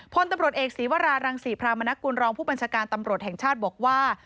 พลตำรวจเอกศีวรารังศรีพรามนกุลรองผู้บัญชาการตำรวจแห่งชาติบอกว่า